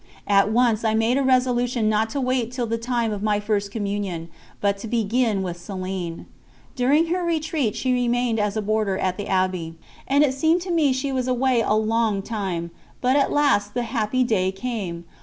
At once I made a resolution not to wait till the time of my First Communion, but to begin with Céline. During her retreat she remained as a boarder at the Abbey, and it seemed to me she was away a long time; but at last the happy day came.